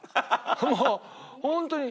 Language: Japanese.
もうホントに。